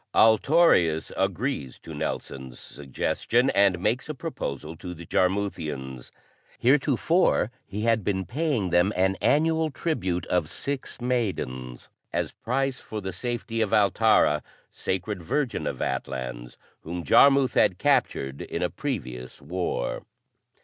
Altorius agrees to Nelson's suggestion and makes a proposal to the Jarmuthians. Heretofore he had been paying them an annual tribute of six maidens, as price for the safety of Altara, Sacred Virgin of Atlans, whom Jarmuth had captured in a previous war.